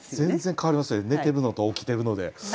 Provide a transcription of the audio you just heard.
全然変わりますね寝てるのと起きてるので。